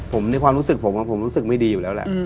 ผมในความรู้สึกผมผมรู้สึกไม่ดีอยู่แล้วแหละ